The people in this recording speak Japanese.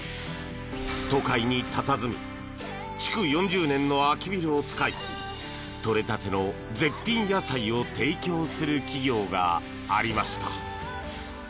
都会に佇む築４０年の空きビルを使い採れたての絶品野菜を提供する企業がありました。